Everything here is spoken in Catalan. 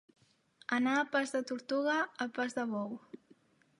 Anar a pas de tortuga, a pas de bou.